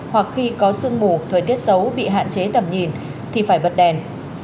hoặc khi có sương mù thời tiết xấu bị hạn chế tầm nhìn thì phải bật đèn